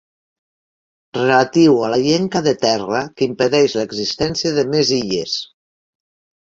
Relatiu a la llenca de terra que impedeix l'existència de més illes.